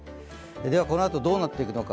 このあとどうなっていくのか